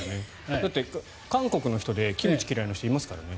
だって韓国の人でキムチ嫌いな人いますからね。